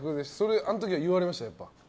あの時は言われましたか。